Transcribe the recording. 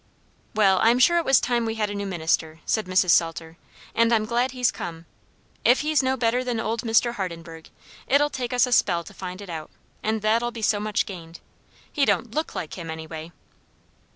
"Well, I'm sure it was time we had a new minister," said Mrs Salter; "and I'm glad he's come. If he's no better than old Mr. Hardenburgh, it'll take us a spell to find it out; and that'll be so much gained. He don't look like him any way."